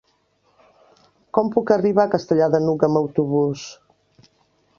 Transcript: Com puc arribar a Castellar de n'Hug amb autobús?